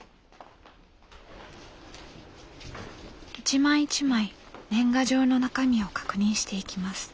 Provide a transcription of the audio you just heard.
一枚一枚年賀状の中身を確認していきます。